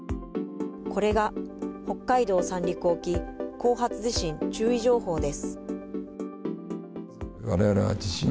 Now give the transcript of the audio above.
これが北海道・三陸沖後発地震注意情報です。